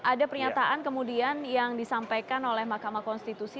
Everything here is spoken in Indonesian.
mas fajar ada pernyataan kemudian yang disampaikan oleh makamah konstitusi